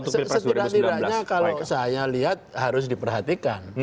setidaknya kalau saya lihat harus diperhatikan